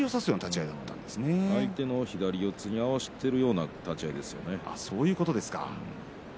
相手の左四つに合わせているような立ち合いでしたね。